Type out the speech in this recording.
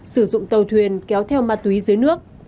sử dụng tàu thuyền kéo theo ma túy dưới nước